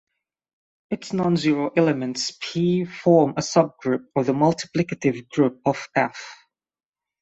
Its non-zero elements "P" form a subgroup of the multiplicative group of "F".